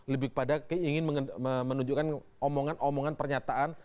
lebih kepada ingin menunjukkan omongan omongan pernyataan